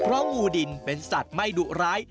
เพราะงูดินเป็นสัตว์ไม่ดุร้าย